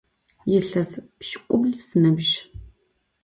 Yilhes pş'ık'ubl sınıbj.